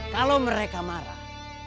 kalau mereka marah